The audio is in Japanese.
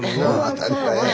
当たり前や。